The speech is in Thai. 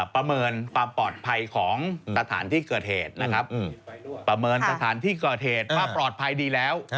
ประเมินความปลอดภัยของสถานที่เกิดเหตุนะครับประเมินสถานที่เกิดเหตุว่าปลอดภัยดีแล้ว